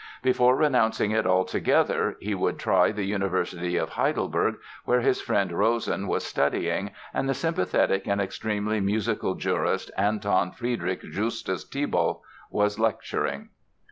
Before renouncing it altogether he would try the University of Heidelberg, where his friend Rosen was studying and the sympathetic and extremely musical jurist, Anton Friedrich Justus Thibaut, was lecturing.